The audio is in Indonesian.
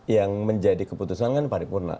yang menjadi keputusan kan paripurna